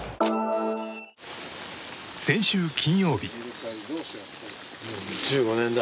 先週金曜日。